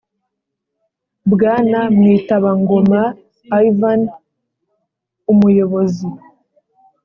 Bwana mwitabangoma yvan umuyobozi